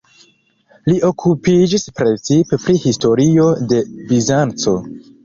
Li okupiĝis precipe pri historio de Bizanco.